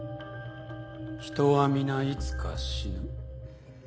人は皆いつか死ぬ。